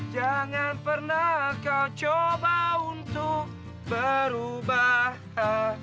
jangan pernah kau coba untuk berubah